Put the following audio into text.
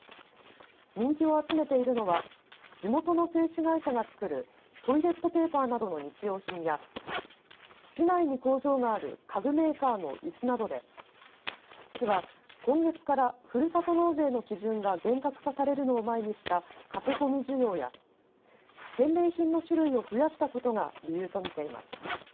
人気を集めているのは地元の製紙会社が作るトイレットペーパーなどの日用品や市内に工場がある家具メーカーのいすなどで市は今月からふるさと納税の基準が厳格化されるのを前にした駆け込み需要や返礼品の種類を増やしたことが理由と見ています。